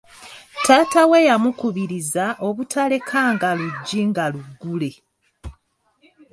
Taata we yamukubiriza obutalekanga luggi nga luggule.